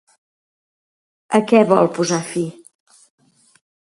A què vol posar fi?